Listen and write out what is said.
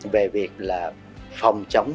về việc là phòng chống